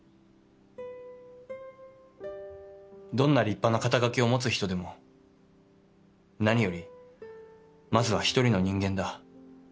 どんな立派な肩書を持つ人でも何よりまずは一人の人間だ。